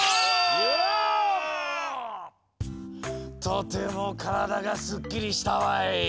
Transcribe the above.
とてもからだがスッキリしたわい。